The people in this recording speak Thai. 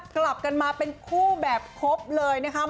กลับกันมาเป็นคู่แบบครบเลยนะคะ